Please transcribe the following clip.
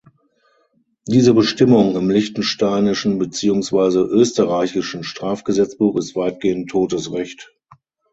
Diese Bestimmung im liechtensteinischen beziehungsweise österreichischen Strafgesetzbuch ist weitgehend totes Recht.